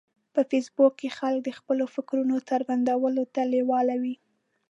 په فېسبوک کې خلک د خپلو فکرونو څرګندولو ته لیوال وي